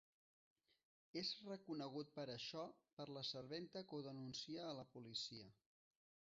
És reconegut per això per la serventa que ho denuncia a la policia.